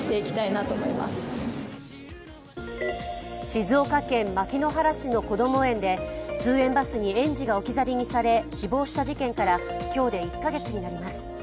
静岡県牧之原市のこども園で通園バスに園児が置き去りにされ死亡した事件から今日で１か月になります。